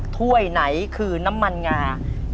ถ้วยไหนคือน้ำมันงา